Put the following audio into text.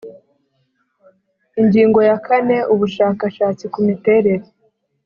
ingingo ya kane ubushakashatsi ku miterere